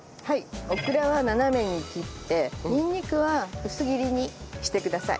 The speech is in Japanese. オクラは斜めに切ってにんにくは薄切りにしてください。